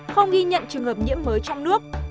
không ghi nhận trường hợp nhiễm mới trong nước